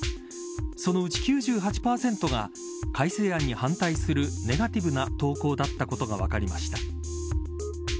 そのうち９８％が改正案に反対するネガティブな投稿だったことが分かりました。